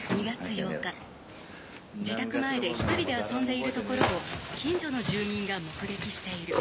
自宅前で１人で遊んでいるところを近所の住民が目撃している。